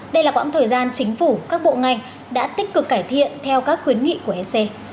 đây là quãng thời gian chính phủ các bộ ngành đã tích cực cải thiện theo các khuyến nghị của ec